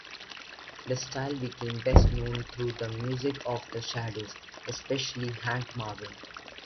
The style became best known through the music of the Shadows, especially Hank Marvin.